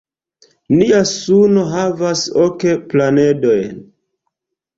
Nia suno havas ok planedojn.